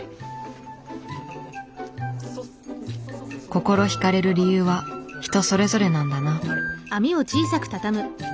心ひかれる理由は人それぞれなんだな。